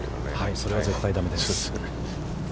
それは絶対だめです。